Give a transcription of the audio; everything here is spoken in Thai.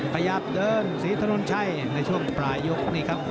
พยาบเดินศรีธนุญชัยในช่วงปลายยุค